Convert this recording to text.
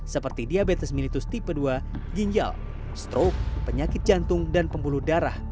seperti diabetes minitus tipe dua ginjal stroke penyakit jantung dan pembuluh darah